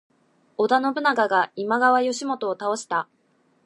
織田信長が今川義元を倒した。